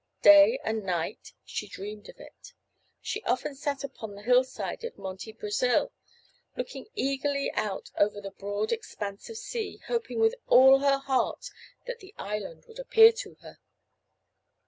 Day and night she dreamed of it. She often sat upon the hillside of Monte Brasil, looking eagerly out over the broad expanse of sea, hoping with all her heart that the island would appear to her.